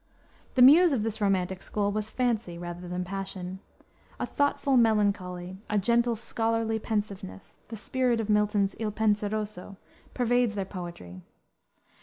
The Muse of this romantic school was Fancy rather than Passion. A thoughtful melancholy, a gentle, scholarly pensiveness, the spirit of Milton's Il Penseroso, pervades their poetry.